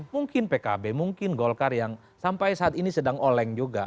mungkin pkb mungkin golkar yang sampai saat ini sedang oleng juga